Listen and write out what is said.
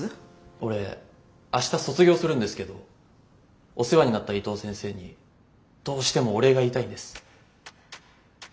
俺明日卒業するんですけどお世話になった伊藤先生にどうしてもお礼が言いたいんです。